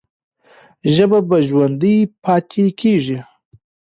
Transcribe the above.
ژبه به ژوندۍ پاتې کېږي.